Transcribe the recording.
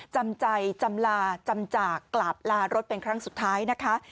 จำใจจำลาจำจากกราบลารถเป็นครั้งสุดท้ายนะคะ